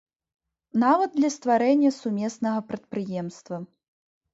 Нават для стварэння сумеснага прадпрыемства.